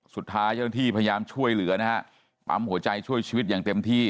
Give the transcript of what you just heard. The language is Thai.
เจ้าหน้าที่พยายามช่วยเหลือนะฮะปั๊มหัวใจช่วยชีวิตอย่างเต็มที่